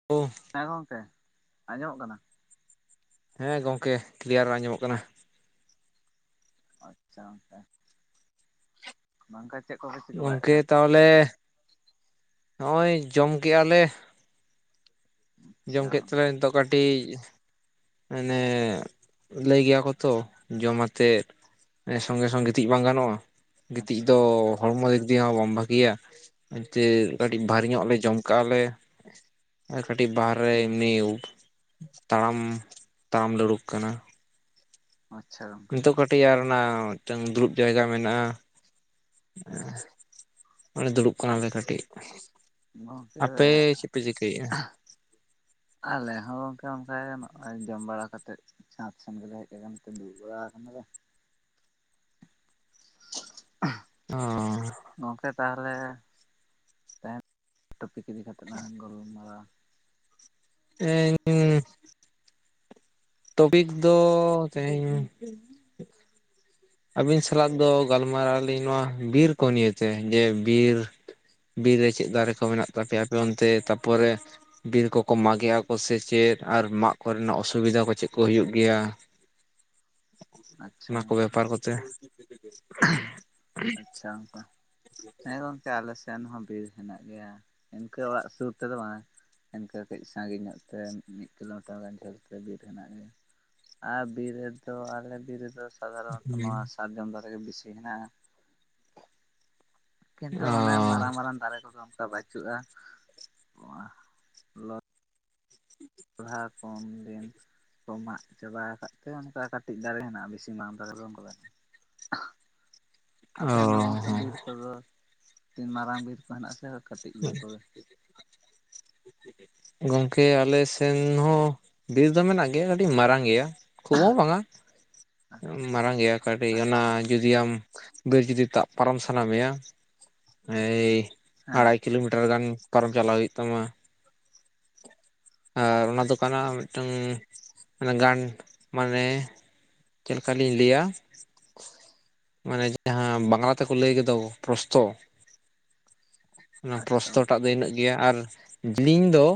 [unintelligible] ᱦᱮᱸ ᱜᱚᱢᱠᱮ ᱟᱸᱡᱚᱢᱚᱜ ᱠᱟᱱᱟ ᱦᱮᱸ ᱜᱚᱢᱠᱮ ᱠᱞᱤᱭᱟᱨ ᱟᱸᱡᱚᱢᱚᱜ ᱠᱟᱱᱟ ᱟᱪᱪᱷᱟ ᱜᱚᱝᱠᱮ ᱵᱟᱝ ᱠᱷᱟᱱ ᱪᱮᱫ ᱠᱚᱼᱼ ᱜᱚᱝᱠᱮ ᱛᱟᱦᱚᱞᱮ ᱦᱚᱸᱜᱼᱚᱭ ᱡᱚᱢ ᱠᱮᱫᱼᱟ ᱞᱮ ᱡᱚᱢ ᱟᱪᱪᱷᱟ ᱠᱮᱫ ᱛᱮᱞᱮ ᱱᱤᱛᱚᱜ ᱠᱟᱹᱴᱤᱡᱼᱼ ᱢᱟᱱᱮ ᱞᱟᱹᱭ ᱜᱮᱭᱟ ᱠᱚ ᱛᱚ ᱡᱚᱢ ᱟᱛᱮᱜ ᱥᱚᱝᱜᱮ ᱥᱚᱝᱜᱮ ᱜᱤᱛᱤᱡ ᱵᱟᱝ ᱜᱟᱱᱚᱜᱼᱟ ᱜᱤᱛᱤᱡ ᱟᱪᱪᱷᱟ ᱫᱚ ᱦᱚᱲᱢᱚ ᱫᱤᱠ ᱫᱤᱭᱮ ᱦᱚᱸ ᱵᱟᱢ ᱵᱷᱟᱹᱜᱮᱭᱟ ᱮᱱᱛᱮ ᱟᱪᱪᱷᱟ ᱠᱟᱹᱴᱤᱡ ᱵᱷᱟᱨᱤ ᱧᱚᱜ ᱞᱮ ᱡᱚᱢᱼᱼ ᱠᱟᱜᱞᱮ ᱠᱟᱹᱴᱤᱡ ᱵᱟᱦᱨᱮ ᱜᱚᱝᱠᱮ ᱢᱤᱭᱩᱴ ᱛᱟᱲᱟᱢᱼᱼ ᱛᱟᱲᱟᱢ ᱞᱮ ᱩᱲᱩᱵ ᱠᱟᱱᱟ ᱟᱪᱪᱷᱟ ᱜᱚᱝᱠᱮ ᱴᱮᱭᱟᱨ ᱨᱮᱱᱟᱜ ᱢᱤᱜᱴᱟᱹᱝ ᱫᱩᱲᱩᱵ ᱡᱟᱭᱜᱟ ᱢᱮᱱᱟᱜ-ᱟ᱾ ᱚᱱᱮ ᱫᱩᱲᱩᱵ ᱟᱪᱪᱷᱟ ᱠᱟᱱᱟᱞᱮ ᱠᱟᱹᱴᱤᱡ, ᱜᱚᱝᱠᱮ ᱟᱯᱮ ᱪᱮᱜ ᱯᱮ ᱪᱤᱠᱟᱹᱭᱮᱜ-ᱟ ᱟᱞᱮ ᱦᱚᱸ ᱜᱚᱝᱠᱮ ᱚᱝᱠᱟᱜᱮ ᱱᱚ-ᱚᱭ ᱡᱚᱢ ᱵᱟᱲᱟ ᱠᱟᱛᱮᱫ ᱪᱷᱸᱟᱛ ᱥᱮᱱ ᱜᱮᱞᱮ ᱦᱮᱡ ᱟᱠᱟᱱ ᱛᱮ ᱫᱩᱲᱩᱵ ᱵᱟᱲᱟᱣ ᱠᱟᱱᱟᱞᱮ᱾ [inaudible] ᱚ ᱜᱚᱝᱠᱮ ᱛᱟᱦᱚᱞᱮ ᱛᱮᱦᱮᱧ ᱴᱚᱯᱤᱠ ᱤᱫᱤ ᱠᱟᱛᱮᱜ ᱞᱟᱝ ᱜᱚᱞᱢᱟᱨᱟᱣᱟ᱾ [inaudible] ᱴᱚᱯᱤᱠ ᱫᱚ ᱛᱮᱦᱮᱧ, ᱟᱹᱵᱤᱱ ᱥᱟᱞᱟᱜ ᱫᱚ ᱜᱟᱞᱢᱟᱨᱟᱣ ᱟᱹᱞᱤᱧ ᱱᱚᱣᱟ ᱵᱤᱨ ᱠᱚ ᱱᱤᱭᱮᱛᱮ ᱡᱮ ᱵᱤᱨ ᱵᱤᱨ ᱨᱮ ᱪᱮᱜ ᱫᱟᱨᱮ ᱠᱚ ᱢᱮᱱᱟᱜ ᱛᱟᱯᱮᱭᱟ ᱟᱯᱮ ᱚᱱᱛᱮ ᱛᱟᱯᱚᱨᱮ ᱵᱤᱨ ᱠᱚᱠᱚ ᱢᱟᱜᱮ ᱟᱠᱚ ᱥᱮ ᱪᱮᱫ ᱟᱨ ᱢᱟᱜ ᱠᱚᱨᱮᱱᱟᱜ ᱚᱥᱩᱵᱤᱫᱟ ᱠᱚ ᱪᱮᱜ ᱠᱚ ᱦᱩᱭᱩᱜ ᱜᱮᱭᱟ? [inaudible] ᱟᱪᱪᱷᱟ ᱚᱱᱟ ᱠᱚ ᱵᱮᱯᱟᱨ ᱠᱚᱛᱮ ᱟᱪᱪᱷᱟ ᱜᱚᱝᱠᱮ ᱦᱮᱸ ᱜᱚᱝ ᱛᱮ ᱟᱞᱮ ᱥᱮᱱ ᱦᱚᱸ ᱵᱤᱨ ᱦᱮᱱᱟᱜ ᱜᱮᱭᱟ ᱤᱱᱠᱟᱹ ᱚᱲᱟᱜ ᱥᱩᱨ ᱛᱮᱫᱚ ᱵᱟᱝ᱾ ᱤᱱᱠᱟᱹ ᱠᱟᱹᱡ ᱥᱟᱺᱜᱤᱧ ᱧᱚᱜ ᱛᱮ ᱢᱤᱜ ᱠᱤᱞᱳᱢᱤᱴᱟᱨ ᱜᱟᱱ ᱡᱷᱟᱹᱞ ᱛᱮ ᱵᱤᱨ ᱦᱮᱱᱟᱜ ᱜᱮᱭᱟ᱾ ᱟᱨ ᱵᱤᱨ ᱨᱮᱫᱚ ᱟᱞᱮ ᱵᱤᱨ ᱨᱮᱫᱚ ᱥᱟᱫᱷᱟᱨᱚᱱᱚᱛᱚ ᱱᱚᱣᱟ ᱥᱟᱨᱡᱚᱢ ᱫᱷᱟᱨᱮ ᱜᱮ ᱵᱤᱥᱤ ᱦᱮᱱᱟᱜ-ᱟ᱾ ᱠᱤᱱᱛᱩ ᱚ ᱚᱱᱮ ᱢᱟᱨᱟᱝ ᱢᱟᱨᱟᱝ ᱫᱟᱨᱮ ᱠᱚᱫᱚ ᱚᱱᱠᱟ ᱵᱟᱹᱪᱩᱜ-ᱟ᱾ [unintelligible] ᱠᱚ ᱢᱟᱜ ᱪᱟᱵᱟᱣ ᱠᱟᱫ ᱛᱮ ᱚᱱᱠᱟ ᱠᱟᱴᱤᱡ ᱫᱟᱨᱮ ᱦᱮᱱᱟᱜ-ᱟ ᱵᱤᱥᱤ ᱵᱟᱝ ᱫᱟᱨᱮ ᱫᱚ ᱚᱱᱠᱟ ᱚ ᱟᱯᱮᱥᱮᱱ ᱫᱚ ᱜᱚᱝᱠᱮ ᱦᱮᱸ ᱵᱤᱨ ᱠᱚᱫᱚ ᱛᱤᱱ ᱢᱟᱨᱟᱝ ᱵᱤᱨ ᱠᱚ ᱦᱮᱱᱟᱜ ᱟᱥᱮ ᱠᱟᱹᱴᱤᱜ ᱵᱤᱨ ᱠᱚᱜᱮ? ᱜᱚᱝᱠᱮ ᱟᱞᱮᱥᱮᱱ ᱦᱚᱸ ᱵᱤᱨ ᱫᱚ ᱢᱮᱱᱟᱜ ᱜᱮ ᱠᱟᱴᱤ ᱢᱟᱨᱟᱝ ᱜᱮᱭᱟ ᱠᱷᱩᱵ ᱦᱚᱸ ᱵᱟᱝᱟ᱾ ᱢᱟᱨᱟᱝ ᱜᱮᱭᱟ ᱠᱟᱴᱤᱜ ᱚᱱᱟ ᱟᱪᱪᱷᱟ ᱡᱩᱫᱤ ᱟᱢ ᱵᱤᱨ ᱡᱩᱫᱤ ᱛᱟᱜ ᱯᱟᱨᱚᱢ ᱥᱟᱱᱟ ᱢᱮᱭᱟ ᱮᱭ ᱦᱮᱸ ᱟᱲᱟᱭ ᱠᱤᱞᱳᱢᱤᱴᱟᱨ ᱜᱟᱱ ᱯᱟᱨᱚᱢ ᱪᱟᱞᱟᱣ ᱦᱩᱭᱩᱜ ᱛᱟᱢᱟ᱾ ᱟᱨ ᱚᱱᱟ ᱫᱚ ᱠᱟᱱᱟ ᱟᱪᱪᱷᱟ ᱢᱤᱜᱴᱟᱹᱝ ᱚᱱᱮ ᱜᱟᱱ ᱢᱟᱱᱮ ᱪᱮᱞ ᱠᱟ ᱞᱤᱧ ᱞᱟᱹᱭᱟ? ᱢᱟᱱᱮ ᱡᱟᱦᱟᱸ ᱵᱟᱝᱞᱟ ᱛᱮᱠᱚ ᱞᱟᱹᱭ ᱜᱮ ᱫᱚ ᱯᱨᱚᱥᱛᱚ ᱚᱱᱟ ᱯᱨᱚᱥᱛ ᱟᱪᱪᱷᱟ ᱴᱟᱜ ᱫᱚ ᱤᱱᱟᱹᱜ ᱜᱮᱭᱟ, ᱟᱨ ᱡᱤᱞᱤᱝ ᱫᱚ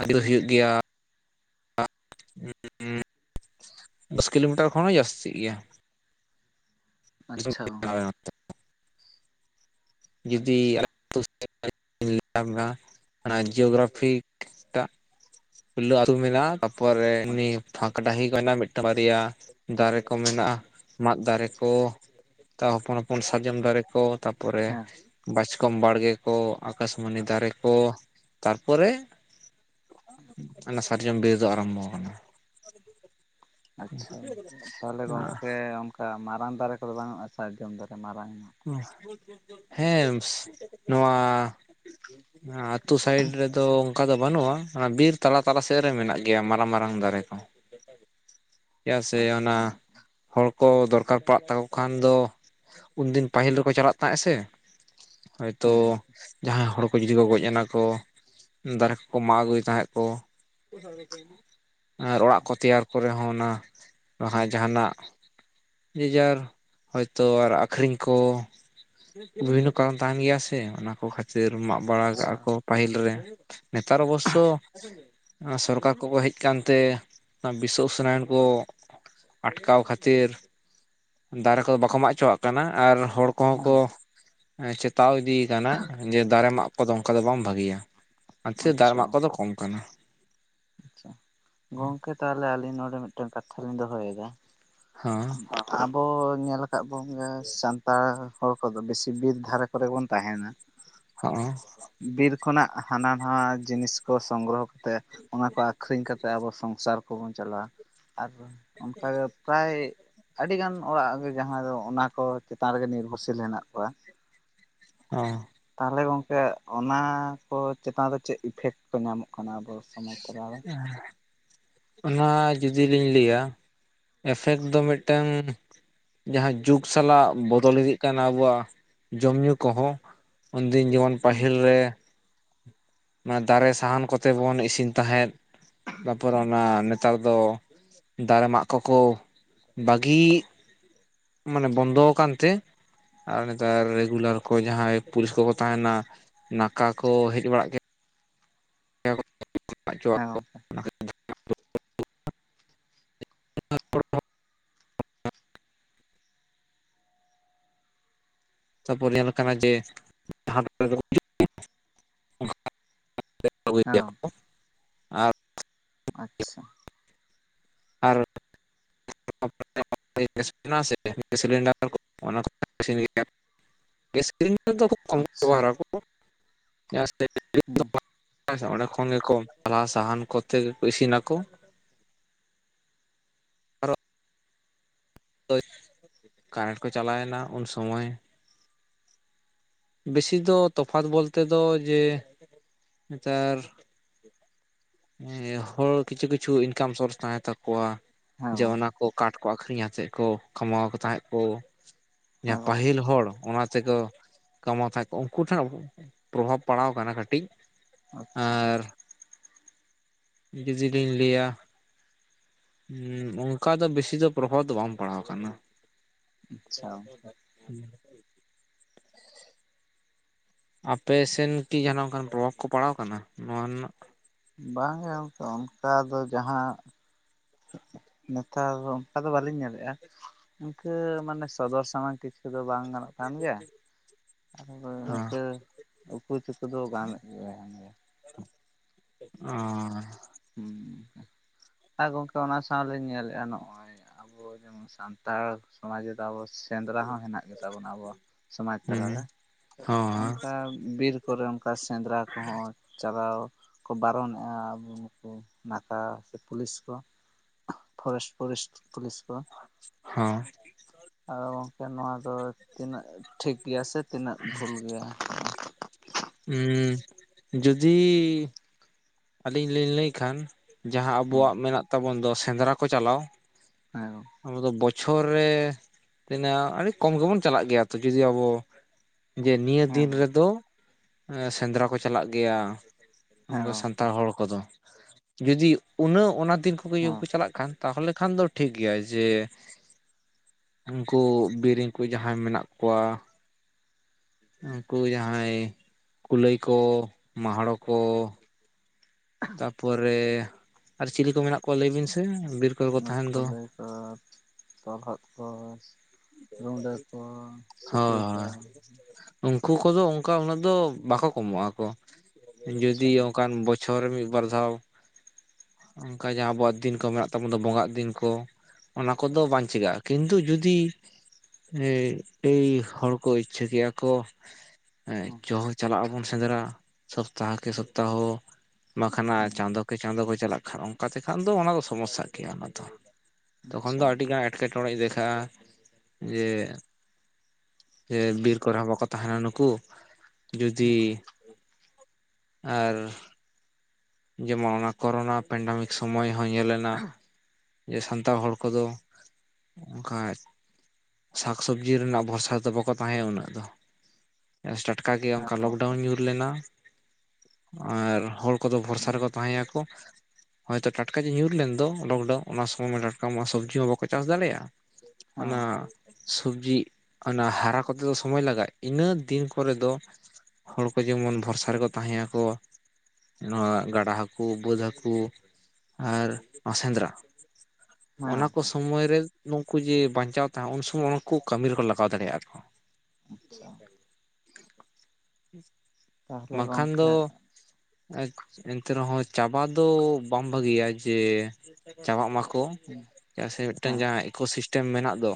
ᱟᱹᱫᱩᱭ ᱦᱮᱸ ᱦᱩᱭᱩᱜ ᱜᱮᱭᱟ ᱫᱚᱥ ᱠᱤᱞᱳᱢᱤᱴᱟᱨ ᱠᱷᱚᱱ ᱦᱚᱸ ᱡᱟᱹᱥᱛᱤᱜ ᱜᱮᱭᱟ᱾ ᱟᱪᱪᱷᱟ ᱜᱚᱝᱠᱮ ᱡᱩᱫᱤ [inaudible] ᱟᱪᱪᱷᱟ ᱯᱩᱞᱞᱟᱹ ᱟᱹᱛᱩ ᱢᱮᱱᱟᱜ-ᱟ ᱛᱟᱯᱚᱨᱮ ᱱᱤ ᱟᱪᱪᱷᱟ ᱯᱷᱟᱠ ᱰᱟᱹᱦᱤ ᱠᱚ ᱦᱮᱱᱟᱜ-ᱟ ᱢᱤᱫᱴᱟᱝ ᱵᱟᱨᱭᱟ᱾ ᱫᱟᱨᱮ ᱠᱚ ᱢᱮᱱᱟᱜ-ᱟ, ᱢᱟᱫᱽ ᱫᱟᱨᱮ ᱠᱚ, ᱛᱟ ᱦᱚᱯᱚᱱ ᱦᱚᱯᱚᱱ ᱥᱟᱨᱡᱚᱢ ᱫᱟᱨᱮ ᱠᱚ, ᱛᱟᱯ ᱯᱚᱨᱮ ᱦᱮᱸ ᱵᱟᱪᱠᱚᱢ ᱵᱟᱲᱜᱮ ᱠᱚ ᱟᱠᱟᱥᱢᱟᱹᱱᱤ ᱫᱟᱨᱮ ᱠᱚ ᱛᱟᱨᱯᱚᱨᱮ ᱚᱱᱟ ᱥᱟᱨᱡᱚᱢ ᱵᱤᱨ ᱫᱚ ᱟᱨᱟᱢᱵᱚᱣ ᱠᱟᱱᱟ᱾ ᱟᱪᱪᱷᱟ ᱜᱚᱝᱠᱮ, ᱛᱟᱦᱞᱮ ᱜᱚᱝᱠᱮ ᱚ ᱠᱟ ᱢᱟᱨᱟᱝ ᱫᱟᱨᱮ ᱠᱚ ᱫᱚ ᱵᱟᱹᱱᱩᱜ-ᱟ ᱥᱟᱨᱡᱚᱢ ᱫᱟᱨᱮ ᱢᱟᱨᱟᱝ ᱧᱚᱜ? ᱦᱮᱸᱥ ᱱᱚᱣᱟ [inaudible] ᱟᱹᱛᱩ ᱥᱟᱭᱤᱰ ᱨᱮᱫᱚ ᱚᱱᱠᱟ ᱫᱚ ᱵᱟᱹᱱᱩᱜᱼᱟ, ᱚᱱᱟ ᱵᱤᱨ ᱛᱟᱞᱟ ᱛᱟᱞᱟ ᱥᱮᱫ ᱨᱮ ᱢᱮᱱᱟᱜ ᱜᱮᱭᱟ ᱢᱟᱨᱟᱝ ᱢᱟᱨᱟᱝ ᱫᱟᱨᱮ ᱠᱚ᱾ [unintelligible] ᱥᱮ ᱚᱱᱟ ᱟᱪᱪᱷᱟ ᱦᱚᱲ ᱠᱚ ᱫᱚᱨᱠᱟᱨ ᱯᱟᱲᱟᱜ ᱛᱟᱠᱚ ᱠᱷᱟᱱ ᱫᱚ ᱩᱱᱫᱤᱱ ᱯᱟᱹᱦᱤᱞ ᱨᱮᱠᱚ ᱪᱟᱞᱟᱜ ᱛᱟᱦᱮᱸᱜ-ᱟ ᱥᱮ᱾ ᱦᱚᱭᱛᱳ ᱦᱮᱸ ᱡᱟᱦᱟᱸᱭ ᱦᱚᱲ ᱡᱩᱫᱤ ᱠᱚ ᱜᱚᱡ ᱮᱱᱟ ᱠᱚ, ᱫᱟᱨᱮ ᱠᱚᱠᱚ ᱢᱟᱜ ᱟᱹᱜᱩᱭ ᱛᱟᱦᱮᱸᱜ ᱠᱚ᱾ ᱟᱨ ᱚᱲᱟᱜ ᱠᱚ ᱛᱮᱭᱟᱨ ᱠᱚᱨᱮ ᱦᱚᱸ ᱚᱱᱟ ᱡᱟᱦᱟᱱᱟᱜ ᱡᱮᱡᱟᱨ ᱦᱚᱭᱛᱚ ᱟᱨ ᱟᱠᱷᱨᱤᱧ ᱠᱚ᱾ ᱵᱤᱵᱷᱤᱱᱱᱚ ᱠᱟᱨᱚᱱ ᱛᱟᱦᱮᱱ ᱜᱮᱭᱟ ᱥᱮ ᱚᱱᱟ ᱠᱚ ᱠᱷᱟᱹᱛ ᱛᱤᱨ ᱢᱟᱜ ᱵᱟᱲᱟ ᱟᱪᱪᱷᱟ ᱠᱟᱜᱼᱟ ᱠᱚ, ᱯᱟᱹᱦᱤᱞ ᱨᱮ ᱱᱮᱛᱟᱨ ᱚᱵᱚᱥᱥᱳ ᱥᱚᱨᱠᱟᱨ ᱠᱚᱠᱚ ᱦᱮᱡ ᱠᱟᱱᱛᱮ ᱵᱤᱥᱥᱚ ᱩᱥᱱᱟᱭᱚᱱ ᱠᱚ ᱟᱴᱠᱟᱣ ᱠᱷᱟᱹᱛᱤᱨ ᱫᱟᱨᱮ ᱠᱚᱫᱚ ᱵᱟᱠᱚ ᱢᱟᱜ ᱪᱚᱣᱟᱜ ᱠᱟᱱᱟ ᱟᱨ ᱦᱚᱲ ᱠᱚᱦᱚᱸ ᱦᱮᱸ ᱠᱚ ᱪᱮᱛᱟᱣ ᱤᱫᱤ ᱠᱟᱱᱟ ᱡᱮ ᱫᱟᱨᱮ ᱢᱟᱜ ᱠᱚᱫᱚ ᱚᱱᱠᱟ ᱫᱚ ᱵᱟᱝ ᱵᱷᱟᱜᱮᱭᱟ ᱟᱨ ᱛᱮ ᱫᱟᱨᱮ ᱟᱪᱪᱷᱟ ᱢᱟᱜ ᱠᱚᱫᱚ ᱠᱚᱢ ᱠᱟᱱᱟ᱾ ᱟᱪᱪᱷᱟ᱾ ᱜᱚᱝᱠᱮ ᱛᱟᱦᱚᱞᱮ ᱟᱹᱞᱤᱧ ᱱᱚᱰᱮ ᱢᱤᱫᱴᱟᱝ ᱠᱟᱛᱷᱟᱞᱤᱧ ᱫᱚᱦᱚᱭᱮᱫᱟ ᱦᱚᱸ᱾ ᱟᱵᱚ ᱧᱮᱞ ᱟᱠᱟᱜ ᱵᱚᱝ ᱥᱟᱱᱛᱟᱲ ᱦᱚᱲ ᱠᱚᱫᱚ ᱵᱮᱥᱤ ᱵᱤᱨ ᱫᱷᱟᱨᱮ ᱠᱚᱨᱮ ᱵᱚᱱ ᱛᱟᱦᱮᱱᱟ᱾ [inaudible] ᱦᱚᱸ᱾ ᱵᱤᱨ ᱠᱷᱚᱱᱟᱜ ᱦᱟᱱᱟ ᱱᱟᱣᱟ ᱡᱤᱱᱤᱥ ᱠᱚ ᱥᱚᱝᱜᱨᱚᱦᱚ ᱠᱟᱛᱮᱫ, ᱥᱮ ᱟᱵᱚ ᱥᱚᱝᱥᱟᱨ ᱠᱚᱵᱚᱱ ᱪᱟᱞᱟᱣᱟ᱾ ᱟᱨ ᱚᱱᱠᱟᱜᱮ ᱯᱨᱟᱭ ᱟᱹᱰᱤ ᱜᱟᱱ ᱚᱲᱟᱜ ᱜᱮ ᱡᱟᱦᱟᱸᱭ ᱫᱚ ᱚᱱᱟ ᱠᱚ ᱪᱮᱛᱟᱱ ᱨᱮᱜᱮ ᱱᱤᱨᱵᱷᱚᱨᱥᱤᱞ ᱦᱮᱱᱟᱜ ᱠᱚᱣᱟ᱾ ᱚᱸ ᱛᱟᱦᱚᱞᱮ ᱜᱚᱝᱠᱮ ᱚᱱᱟ ᱠᱚ ᱪᱮᱛᱟᱱ ᱨᱮ ᱪᱮᱫ ᱤᱯᱷᱮᱠᱴ ᱠᱚ ᱧᱟᱢᱚᱜ ᱠᱟᱱᱟ? ᱟᱵᱚ ᱥᱚᱢᱟᱡᱽ ᱛᱟᱞᱟᱨᱮ ᱚᱱᱟ ᱡᱩᱫᱤ ᱞᱤᱧ ᱞᱟᱹᱭᱟ᱾ ᱮᱯᱷᱮᱠᱴ ᱫᱚ ᱢᱤᱫᱴᱟᱝ ᱡᱟᱦᱟᱸ ᱡᱩᱜᱽ ᱥᱟᱞᱟᱜ ᱵᱚᱫᱚᱞ ᱤᱫᱤᱜ ᱠᱟᱱᱟ ᱟᱵᱚᱣᱟᱜ ᱡᱚᱢ ᱧᱩ ᱠᱚ ᱦᱚᱸ ᱩᱱᱫᱤᱱ ᱡᱮᱢᱚᱱ ᱯᱟᱹᱦᱤᱞ ᱦᱮᱸ ᱨᱮ᱾ ᱚᱱᱟ ᱫᱟᱨᱮ ᱥᱟᱦᱟᱱ ᱠᱚᱛᱮ ᱵᱚᱱ ᱤᱥᱤᱱ ᱛᱟᱦᱮᱸᱫ ᱛᱟᱯᱚᱨᱮ ᱚᱱᱟ ᱱᱮᱛᱟᱨ ᱫᱚ ᱫᱟᱨᱮ ᱢᱟᱜ ᱠᱚᱠᱚ ᱵᱟᱹᱜᱤᱻ᱾ ᱢᱟᱱᱮ ᱵᱚᱱᱫᱚ ᱟᱠᱟᱱ ᱛᱮ᱾ ᱟᱨ ᱱᱮᱛᱟᱨ ᱨᱮᱜᱩᱞᱟᱨ ᱠᱚ ᱡᱟᱸᱦᱟᱸᱭ ᱯᱩᱞᱤᱥ ᱠᱚᱠᱚ ᱛᱟᱦᱮᱱᱟ ᱱᱟᱠᱟ ᱠᱚ ᱦᱮᱡ ᱵᱟᱲᱟᱜ ᱜᱮ᱾ [unintelligible] ᱜᱚᱝᱠᱮ [unintelligible] ᱛᱟᱨᱯᱚᱨ ᱧᱮᱞ ᱠᱟᱱᱟ ᱡᱮ ᱦᱮᱸ ᱜᱚᱝᱠᱮ [unintelligible] [unintelligible] ᱟᱪᱪᱷᱟ ᱟᱨ ᱥᱮ ᱥᱤᱞᱤᱱᱰᱟᱨ ᱠᱚ ᱚᱱᱟ [unintelligible] ᱜᱮᱥ ᱥᱤᱞᱤᱱᱰᱟᱨ ᱫᱚ ᱠᱷᱩᱵ ᱠᱚᱢ ᱠᱚ ᱟᱪᱪᱷᱟ ᱵᱮᱵᱚᱦᱟᱨ ᱟᱠᱚ᱾ ᱦᱮᱸ ᱪᱮᱫᱟᱜ ᱥᱮ ᱚᱸᱰᱮ ᱠᱷᱚᱱ ᱜᱮᱠᱚ ᱯᱟᱞᱦᱟ ᱥᱟᱦᱟᱱ ᱠᱚᱛᱮ ᱜᱮᱠᱩ ᱤᱥᱤᱱᱟᱠᱩ᱾ ᱟᱨᱚ ᱦᱳᱭ, ᱠᱟᱨᱮᱱᱴ ᱠᱚ ᱪᱟᱞᱟᱭᱮᱱᱟ ᱩᱱ ᱥᱚᱢᱚᱭ᱾ ᱵᱮᱥᱤ ᱫᱚ ᱛᱚᱯᱷᱟᱛ ᱵᱚᱞᱛᱮ ᱫᱚ ᱡᱮ ᱱᱮᱛᱟᱨ ᱦᱚᱲ ᱠᱤᱪᱷᱩ ᱠᱤᱪᱷᱩ ᱤᱱᱠᱟᱢ ᱥᱳᱨᱥ ᱛᱟᱦᱮᱸ ᱛᱟᱠᱚᱣᱟ ᱦᱮᱸ ᱡᱮ ᱜᱚᱝ ᱚᱱᱟ ᱠᱚ ᱠᱟᱴ ᱠᱚ ᱟᱠᱷᱨᱤᱧᱟ ᱥᱮᱜ ᱠᱚ ᱠᱟᱢᱟᱣ ᱠᱚ ᱛᱟᱦᱮᱸᱫ ᱠᱚ ᱦᱮᱸ ᱡᱟᱦᱟᱸ ᱜᱚᱝ ᱯᱟᱹᱦᱤᱞ ᱦᱚᱲ ᱚᱱᱟ ᱛᱮ ᱠᱚᱼᱼ ᱠᱟᱢᱟᱣ ᱛᱟᱦᱮᱸ ᱠᱚ ᱩᱱᱠᱩ ᱴᱷᱮᱱ ᱯᱨᱚᱵᱷᱟᱵᱽ ᱯᱟᱲᱟᱣ ᱠᱟᱱᱟ ᱠᱟᱹᱴᱤᱡ ᱟᱪᱪᱷᱟ ᱟᱨᱼᱼ ᱡᱚᱫᱤ ᱞᱤᱧ ᱞᱟᱹᱭᱟ ᱦᱩᱸ ᱚᱱᱠᱟ ᱫᱚ ᱵᱮᱥᱤ ᱫᱚ ᱯᱨᱚᱵᱷᱟᱵᱽ ᱫᱚ ᱵᱟᱝ ᱯᱟᱲᱟᱣ ᱠᱟᱱᱟ ᱟᱪᱪᱷᱟ [inaudible] ᱟᱯᱮ ᱥᱮᱱ ᱠᱤ ᱡᱟᱦᱟᱸᱱᱟᱜ ᱚᱱᱠᱟᱱ ᱯᱨᱚᱵᱷᱟᱵ ᱠᱚ ᱯᱟᱲᱟᱣ ᱠᱟᱱᱟ ᱱᱚᱣᱟ ᱨᱮᱱᱟᱜᱼᱼ ᱵᱟᱝ ᱜᱮ ᱜᱚᱝᱠᱮ ᱚᱱᱠᱟ ᱫᱚ ᱡᱟᱦᱟᱸᱼᱼ ᱱᱮᱛᱟᱨ ᱫᱚ ᱚᱱᱠᱟ ᱫᱚ ᱵᱟᱞᱤᱧ ᱧᱮᱞᱮᱜᱼᱟ ᱤᱱᱠᱟᱹ ᱢᱟᱱᱮ ᱥᱚᱫᱚᱨ ᱥᱟᱢᱟᱝ ᱠᱤᱪᱼᱼ [unintelligible] ᱫᱚ ᱵᱟᱝ ᱜᱟᱱᱚᱜ ᱠᱟᱱ ᱜᱮᱭᱟ ᱦᱮᱸ [unintelligible] ᱤᱱᱠᱟᱹᱼᱼ ᱩᱠᱩ ᱪᱩᱠᱩ ᱫᱚ ᱜᱟᱱᱮᱜ ᱜᱮᱭᱟᱭ ᱦᱟᱸᱜᱼᱼ ᱚᱸᱻ ᱦᱩᱸ ᱟᱨ ᱜᱚᱝᱠᱮ ᱚᱱᱟ ᱥᱟᱶ ᱞᱤᱧ ᱧᱮᱞᱮᱜᱼᱟ ᱱᱚᱜᱼᱚᱭ ᱟᱵᱚ ᱡᱮᱢᱚᱱ ᱥᱟᱱᱛᱟᱲ ᱥᱚᱢᱟᱡᱽ ᱨᱮ ᱫᱚ ᱟᱵᱚᱼᱼ ᱥᱮᱸᱫᱽᱨᱟ ᱦᱚᱸ ᱦᱮᱱᱟᱜ ᱜᱮᱛᱟ ᱵᱚᱱᱟ ᱟᱵᱚᱣᱟᱜ ᱥᱚᱢᱟᱡᱽ ᱛᱟᱞᱟ ᱦᱩᱸ ᱨᱮ ᱦᱚᱸ ᱚᱱᱠᱟ ᱵᱤᱨ [unintelligible] ᱠᱚᱨᱮ ᱚᱱᱠᱟ ᱥᱮᱸᱫᱽᱨᱟ ᱠᱚᱦᱚᱸ ᱪᱟᱞᱟᱣ ᱠᱚ ᱵᱟᱨᱚᱱᱮᱜᱼᱟ ᱟᱵᱚᱼᱼ ᱦᱩᱸ ᱱᱟᱠᱟ ᱥᱮ ᱯᱩᱞᱤᱥ ᱠᱚ ᱯᱷᱚᱨᱮᱥᱴ ᱯᱷᱚᱨᱮᱥᱴ ᱯᱩᱞᱤᱥ ᱠᱚᱼᱼ ᱦᱚᱸ ᱟᱫᱚ ᱜᱚᱝᱠᱮ ᱱᱚᱣᱟ ᱫᱚ ᱛᱤᱱᱟᱹᱜ ᱴᱷᱤᱠ ᱜᱮᱭᱟ ᱥᱮ ᱛᱤᱱᱟᱹᱜ ᱵᱷᱩᱞ ᱜᱮᱭᱟ ᱦᱩᱸ ᱡᱩᱫᱤᱭᱼᱼ ᱟᱹᱞᱤᱧ ᱞᱤᱧ ᱞᱟᱹᱭ ᱠᱷᱟᱱ ᱡᱟᱦᱟᱸ ᱦᱮᱸ ᱟᱵᱚᱣᱟᱜ ᱢᱮᱱᱟᱜ ᱛᱟᱵᱚᱱ ᱫᱚ ᱥᱮᱸᱫᱽᱨᱟ ᱠᱚ ᱪᱟᱞᱟᱣ ᱦᱮᱸ ᱜᱚᱝᱠᱮ ᱟᱵᱚ ᱫᱚ ᱵᱚᱪᱷᱚᱨ ᱨᱮ ᱛᱤᱱᱟᱹᱜ ᱟᱰᱤ ᱠᱚᱢ ᱜᱮᱵᱚᱱ ᱪᱟᱞᱟᱜ ᱜᱮᱭᱟ ᱛᱚ ᱡᱩᱫᱤ ᱟᱵᱚᱼᱼ ᱡᱮ ᱱᱤᱭᱟᱹ ᱫᱤᱱ ᱨᱮ ᱦᱮᱸ ᱫᱚ ᱥᱮᱸᱫᱽᱨᱟ ᱠᱚ ᱪᱟᱞᱟᱜ ᱜᱮᱭᱟ ᱦᱮᱸ ᱩᱱᱠᱩ ᱜᱚᱝᱠᱮ ᱥᱟᱱᱛᱟᱲ ᱦᱚᱲ ᱠᱚᱫᱚ ᱡᱩᱫᱤ ᱩᱱᱟᱹᱜ ᱚᱱᱟ ᱫᱤᱱ ᱠᱚ ᱜᱮ ᱡᱩᱫᱤ ᱠᱚ ᱦᱮᱸ ᱪᱟᱞᱟᱜ ᱠᱷᱟᱱᱼᱼ ᱛᱟᱦᱚᱞᱮ ᱠᱷᱟᱱ ᱫᱚ ᱴᱷᱤᱠ ᱜᱮᱭᱟ ᱡᱮ ᱩᱱᱠᱩ ᱵᱤᱨᱤᱧ ᱠᱩ ᱡᱟᱸᱦᱟᱸᱭ ᱢᱮᱱᱟᱜ ᱠᱚᱣᱟ ᱩᱱᱠᱩ ᱡᱟᱦᱟᱸᱭ ᱠᱩᱞᱟᱹᱭ ᱠᱚ ᱢᱟᱦᱲᱚ ᱠᱚ ᱛᱟᱯᱚᱨᱮ ᱟᱨ ᱪᱤᱞᱤ ᱠᱚ ᱢᱮᱱᱟᱜ ᱠᱚᱣᱟ ᱞᱟᱹᱭ ᱵᱤᱱ ᱥᱮ ᱵᱤᱨᱼᱼ ᱚᱱᱟ ᱠᱩᱞᱟᱹᱭ [unintelligible] ᱛᱚᱨᱦᱚᱫ ᱠᱚ ᱨᱩᱸᱰᱟᱹ ᱠᱚ ᱦᱳᱭ ᱥᱩᱠᱨᱤ ᱠᱚᱼᱼ ᱦᱳᱭ ᱩᱱᱠᱩ ᱠᱚᱫᱚ ᱚᱝᱠᱟ ᱩᱱᱟᱹᱜ ᱫᱚ ᱵᱟᱠᱚ ᱠᱚᱢᱚᱜ-ᱟ ᱠᱚ ᱡᱩᱫᱤ ᱟᱪᱪᱷᱟ ᱚᱱᱠᱟᱱ ᱵᱚᱪᱼᱼ ᱪᱷᱚᱨ ᱨᱮ ᱢᱤᱫ ᱵᱟᱨ ᱫᱷᱟᱣ ᱚᱱᱠᱟ ᱡᱟᱸᱦᱟᱸ ᱟᱵᱚᱣᱟᱜ ᱫᱤᱱ ᱠᱚ ᱢᱮᱱᱟᱜ ᱛᱟᱵᱚ ᱫᱚ ᱵᱚᱸᱜᱟᱜ ᱫᱤᱱ ᱠᱚᱼᱼ ᱚᱱᱟ ᱠᱚᱫᱚ ᱵᱟᱝ ᱪᱤᱠᱟᱜᱼᱟ ᱠᱤᱱᱛᱩ ᱡᱩᱫᱤ ᱮ ᱳᱭ ᱦᱚᱲ ᱠᱚ ᱤᱪᱪᱷᱟᱹ ᱠᱮᱭᱟ ᱠᱚ ᱦᱮᱸ [unintelligible] ᱪᱟᱞᱟᱜ ᱟᱵᱚᱱ ᱥᱮᱸᱫᱽᱨᱟ ᱥᱚᱯᱛᱟᱦᱚ ᱠᱮ ᱥᱚᱯᱛᱟᱦᱚ ᱵᱟᱠᱷᱟᱱ ᱱᱟ ᱦᱮᱸ ᱪᱟᱸᱫᱚ ᱠᱮ ᱪᱟᱸᱫᱳ ᱠᱚ ᱪᱟᱞᱟᱜ ᱠᱷᱟᱱ ᱚᱱᱠᱟ ᱛᱮᱠᱷᱟᱱ ᱫᱚ ᱚᱱᱟ ᱫᱚ ᱥᱚᱢᱚᱥᱥᱟ ᱜᱮᱭᱟ ᱚᱱᱟ ᱫᱚ ᱛᱚᱠᱷᱚᱱ ᱟᱪᱪᱷᱟ ᱫᱚ ᱟᱹᱰᱤ ᱜᱟᱱ ᱮᱴᱼ ᱠᱮᱴᱚᱬᱮᱭ ᱫᱮᱠᱷᱟᱜᱼᱟ ᱡᱮ ᱡᱮ ᱵᱤᱨ ᱠᱚᱨᱮ ᱦᱚᱸ ᱵᱟᱠᱚ ᱛᱟᱦᱮᱱᱟ ᱱᱩᱠᱩ ᱡᱩᱫᱤ ᱦᱮᱸ ᱟᱨᱼᱼ ᱡᱮᱢᱚᱱ ᱚᱱᱟ ᱠᱚᱨᱚᱱᱟ ᱯᱮᱱᱰᱟᱢᱤᱠ ᱥᱚᱢᱚᱭ ᱦᱚᱸ ᱧᱮᱞ ᱮᱱᱟ ᱡᱮ ᱥᱟᱱᱛᱟᱲ ᱦᱚᱲ ᱠᱚ ᱫᱚ [unintelligible] ᱥᱟᱠᱥᱚᱵᱽᱡᱤ ᱨᱮᱱᱟᱜ ᱵᱷᱚᱨᱥᱟ ᱫᱚ ᱵᱟᱠᱚ ᱛᱟᱦᱮᱸᱜ ᱩᱱᱟᱹᱜ ᱫᱚᱼᱼ ᱴᱟᱴᱠᱟ ᱜᱮ ᱚᱱᱠᱟ ᱦᱮᱸ ᱞᱚᱠᱰᱟᱣᱩᱱ ᱧᱩᱨ ᱞᱮᱱᱟ ᱟᱨ ᱦᱚᱲ ᱠᱚᱫᱚ ᱵᱷᱚᱨᱥᱟᱼᱼ ᱦᱮᱸ ᱨᱮ ᱠᱚ ᱛᱟᱦᱮᱸ ᱟᱠᱚᱼᱼ ᱦᱳᱭᱛᱚ ᱴᱟᱴᱠᱟ ᱜᱮ ᱧᱩᱨ ᱞᱮᱱ ᱫᱚ ᱞᱚᱠᱰᱟᱣᱩᱱ ᱚᱱᱟ ᱥᱚᱢᱚᱭ ᱢᱟ ᱴᱟᱴᱠᱟ ᱢᱟ ᱥᱚᱵᱽᱡᱤ ᱢᱟ ᱵᱟᱠᱚ ᱪᱟᱥ ᱫᱟᱲᱮᱭᱟᱜᱼᱟ ᱚᱱᱟ ᱥᱚᱵᱽᱡᱤ ᱚᱱᱟ ᱦᱟᱨᱟ ᱠᱚᱛᱮ ᱫᱚ ᱥᱚᱢᱚᱭ ᱞᱟᱜᱟᱜ ᱤᱱᱟ ᱫᱤᱱ ᱠᱚᱨᱮ ᱫᱚ ᱦᱚᱲ ᱠᱚ ᱡᱮᱢᱚᱱ ᱵᱷᱚᱨᱥᱟ ᱨᱮᱠᱚ ᱛᱟᱦᱮᱸ ᱟᱠᱚ ᱱᱚᱣᱟ ᱜᱟᱰᱟ ᱦᱟᱹᱠᱩ ᱵᱟᱹᱫᱽ ᱦᱟᱹᱠᱩ ᱟᱨ ᱱᱚᱣᱟ ᱥᱮᱸᱫᱽᱨᱟ ᱦᱮᱸ ᱚᱱᱟ ᱠᱚ ᱜᱚᱝᱠᱮ ᱥᱚᱢᱚᱭ ᱨᱮ ᱱᱩᱠᱩ ᱡᱮ ᱵᱟᱧᱪᱟᱣ ᱛᱟᱦᱮᱸ ᱩᱱ ᱥᱚᱢᱚᱭ ᱩᱱᱠᱩ ᱠᱟᱹᱢᱤ ᱨᱮᱠᱚ ᱞᱟᱜᱟᱣ ᱫᱟᱲᱮᱭᱟᱜᱼᱟ᱾ ᱠᱚ ᱟᱪᱪᱷᱟ ᱛᱟᱦᱚᱞᱮ ᱵᱟᱝᱠᱷᱟᱱ ᱫᱚ ᱜᱚᱝᱠᱮ ᱮᱱᱛᱮ ᱨᱮᱦᱚᱸ ᱪᱟᱵᱟ ᱫᱚ ᱵᱟᱝ ᱵᱷᱟᱹᱜᱤᱭᱟ ᱡᱮ ᱪᱟᱵᱟᱜ ᱢᱟᱠᱚ ᱦᱮᱸ ᱪᱮᱫᱟᱜ ᱥᱮ ᱢᱤᱫᱴᱟᱝ ᱦᱮᱸ ᱡᱟᱦᱟᱸ ᱤᱠᱳᱥᱤᱥᱴᱮᱢ ᱢᱮᱱᱟᱜ ᱫᱚ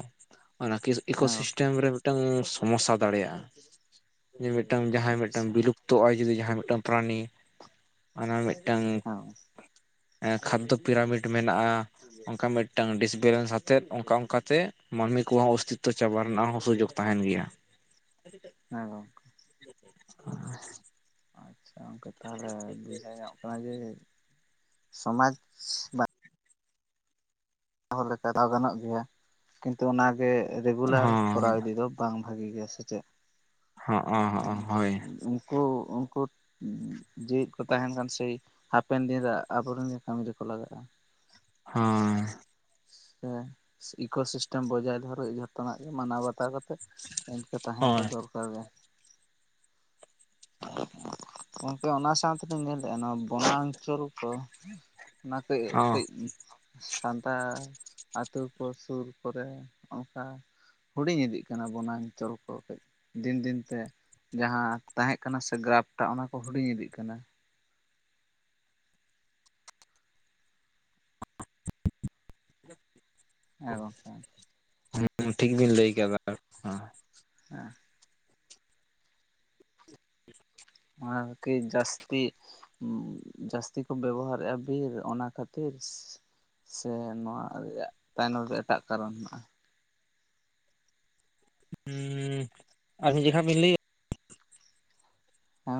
ᱚᱱᱟ [unintelligible] ᱜᱚᱝᱠᱮ ᱤᱠᱳᱥᱤᱥᱴᱮᱢ ᱨᱮ ᱢᱤᱫᱴᱟᱝ ᱥᱚᱢᱚᱥᱥᱟ ᱫᱟᱲᱮᱭᱟᱜᱼᱟ᱾ ᱡᱮ ᱢᱤᱫᱴᱟᱝ ᱡᱟᱦᱟᱸᱭ ᱢᱤᱫᱴᱟᱝ ᱟᱪᱪᱷᱟ ᱵᱤᱞᱩᱯ ᱛᱚ ᱟᱭ ᱡᱩᱫᱤ ᱡᱟᱦᱟᱸᱭ ᱢᱤᱫᱴᱟᱝ ᱯᱨᱟᱱᱤ ᱚᱱᱟ ᱢᱤᱫᱴᱟᱝ ᱦᱮᱸ ᱮᱸ ᱠᱷᱟᱫᱽ ᱫᱚ ᱯᱤᱨᱟᱢᱤᱰ ᱢᱮᱱᱟᱜᱼᱟ᱾ ᱚᱱᱠᱟ ᱢᱤᱫᱴᱟᱝ ᱰᱤᱥᱵᱮᱞᱮᱱᱥ ᱟᱛᱮᱫ ᱚᱱᱠᱟ ᱚᱱᱠᱟᱛᱮ ᱢᱟᱹᱱᱢᱤ ᱠᱚᱦᱚᱸ ᱚᱥᱛᱤᱛᱛᱚ ᱪᱟᱵᱟ ᱨᱮᱱᱟᱜ ᱦᱚᱸ ᱥᱩᱡᱳᱜ ᱛᱟᱦᱮᱱ ᱜᱮᱭᱟ ᱦᱮᱸ ᱜᱚᱝᱠᱮ [unintelligible] ᱟᱪᱪᱷᱟ ᱜᱚᱝᱠᱮ ᱛᱟᱦᱚᱞᱮ ᱵᱩᱡᱷᱟᱹᱣ ᱧᱟᱢᱚᱜ ᱠᱟᱱᱟ ᱡᱮ ᱥᱚᱢᱟᱡᱽ ᱵᱟᱸ ᱪᱟᱣ ᱞᱮᱠᱟ ᱜᱟᱱᱚᱜ ᱜᱮᱭᱟ ᱠᱤᱱᱛᱩ ᱚᱱᱟᱜᱮ ᱨᱮᱜᱩᱞᱟᱨ ᱠᱚᱨᱟᱣ ᱦᱚᱸ ᱤᱫᱤ ᱫᱚ ᱵᱟᱝ ᱵᱷᱟᱹᱜᱤ ᱜᱮᱭᱟ ᱥᱮ ᱪᱮᱫ ᱦᱚᱸ ᱦᱚᱸ ᱦᱚᱸ ᱦᱳᱭ᱾ ᱛᱚ ᱩᱱᱠᱩ ᱡᱮᱣᱮᱫ ᱠᱚ ᱛᱟᱦᱮᱱ ᱠᱷᱟᱱ ᱥᱮᱭ ᱦᱟᱯᱮᱱ ᱫᱤᱱ ᱨᱮ ᱟᱵᱚᱨᱮᱱ ᱠᱟᱹᱢᱤ ᱨᱮᱠᱚ ᱞᱟᱜᱟᱜᱼᱟ᱾ ᱦᱮᱸ᱾ ᱥᱮ ᱤᱠᱳ ᱥᱤᱥᱴᱮᱢ ᱵᱚᱡᱟᱭ ᱫᱷᱚᱨᱚᱡ ᱡᱷᱚᱛᱚᱱᱟᱜ ᱜᱮ ᱢᱟᱱᱟᱣ ᱵᱟᱛᱟᱣ ᱠᱟᱛᱮᱫ ᱤᱱᱠᱟᱹ ᱛᱟᱦᱮᱸ ᱫᱚ ᱦᱳᱭ ᱫᱚᱨᱠᱟᱨ ᱜᱮ ᱜᱚᱝᱠᱮ ᱚᱱᱟ ᱥᱟᱶᱛᱮ ᱞᱤᱧ ᱧᱮᱞᱮᱜᱼᱟ᱾ ᱱᱚᱣᱟ ᱵᱚᱱᱟ ᱚᱧᱪᱚᱞ ᱠᱚ ᱚᱱᱟ ᱠᱟᱹᱡ ᱦᱚᱸ ᱠᱟᱹᱡ ᱥᱟᱱ ᱧᱮᱛᱟᱨ ᱟᱹᱛᱩ ᱠᱚ ᱥᱩᱨ ᱠᱚᱨᱮ ᱚᱱᱠᱟ ᱦᱩᱰᱤᱧ ᱤᱫᱤᱜ ᱠᱟᱱᱟ ᱵᱚᱱᱟ ᱚᱧᱪᱚᱞ ᱠᱚ ᱠᱟᱹᱡ ᱫᱤᱱ ᱫᱤᱱᱛᱮ ᱡᱟᱦᱟᱸ ᱛᱟᱦᱮᱸᱜ ᱠᱟᱱᱟ ᱥᱮ ᱜᱨᱟᱯᱴᱟᱜ ᱚᱱᱟ ᱠᱚ ᱦᱩᱰᱤᱧ ᱤᱫᱤᱜ ᱠᱟᱱᱟ᱾ ᱦᱮᱸ ᱜᱚᱝᱠᱮ ᱦᱮᱸ ᱴᱷᱤᱠ ᱵᱤᱱ ᱞᱟᱹᱭ ᱠᱟᱫᱟ ᱱᱚᱣᱟ ᱦᱮ ᱟᱨᱠᱤ ᱡᱟᱹᱥᱛᱤ ᱡᱟᱹᱥᱛᱤ ᱠᱚ ᱵᱮᱣᱦᱟᱨᱮᱜᱼᱟ ᱵᱤᱨ ᱚᱱᱟ ᱠᱷᱟᱹᱛᱤᱨ ᱥᱮ ᱱᱚᱣᱟ ᱨᱮᱭᱟᱜ ᱛᱟᱭᱱᱚᱢ ᱨᱮ ᱮᱴᱟᱜ ᱠᱟᱨᱚᱱ ᱦᱮᱱᱟᱜᱼᱟ᱾ ᱦᱩᱸ ᱟᱨ ᱢᱤᱫ ᱡᱮᱠᱷᱟ ᱵᱤᱱ ᱞᱟᱹᱭᱟ ᱦᱮᱸ᱾